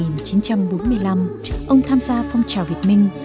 năm một nghìn chín trăm bốn mươi năm ông tham gia phong trào việt minh